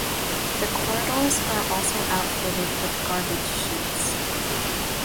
The corridors are also outfitted with garbage chutes.